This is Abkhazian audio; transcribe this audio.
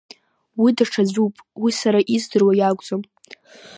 Уи даҽаӡәуп, уи сара издыруа иакәӡам…